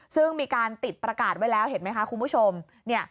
ซึ่งมีการติดประกาศไว้แล้วเห็นไหมคะคุณผู้ชม